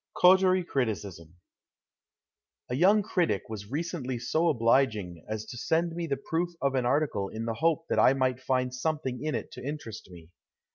82 COTERIE CRITICISM A YOUNG critic was recently so obliging as to send me the proof of an article in the hope that I might find something in it to interest me.